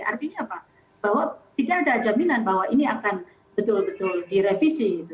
artinya apa bahwa tidak ada jaminan bahwa ini akan betul betul direvisi gitu